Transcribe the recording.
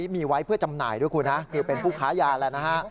มีไว้เพื่อจำหน่ายด้วยคุณฮะคือเป็นผู้ค้ายาแล้วนะฮะ